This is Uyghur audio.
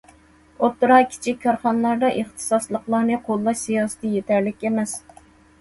ئوتتۇرا، كىچىك كارخانىلاردا ئىختىساسلىقلارنى قوللاش سىياسىتى يېتەرلىك ئەمەس.